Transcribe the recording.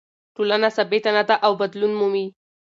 ټولنه ثابته نه ده او بدلون مومي.